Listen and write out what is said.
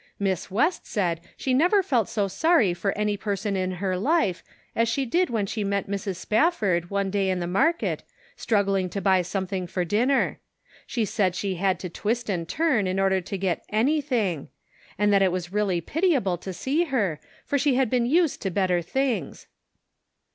Miss West said she never felt so sorry for any person in her life as she did when she met Mrs. Spafford, one day in the market, struggling to buy something for din ner. She said she had to twist and turn in order to get anything; and that it was really pitiable to see her, for she had been used to better things."